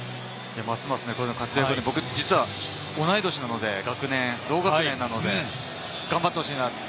僕、実は同い年なので、同学年なので頑張ってほしいなと。